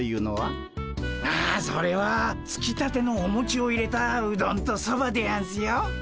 あそれはつきたてのおもちを入れたうどんとそばでやんすよ。